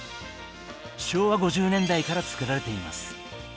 昭和５０年代から作られています。